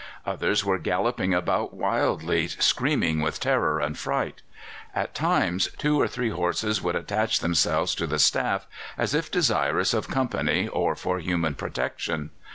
Others were galloping about wildly, screaming with terror and fright. At times two or three horses would attach themselves to the staff, as if desirous of company or for human protection.